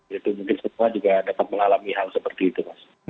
itu mungkin setelah juga dapat mengalami hal seperti itu